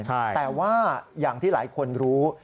แต่ว่าอย่างที่หลายคนรู้